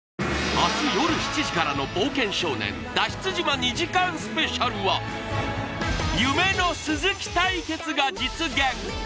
明日夜７時からの「冒険少年」脱出島２時間ＳＰは夢の鈴木対決が実現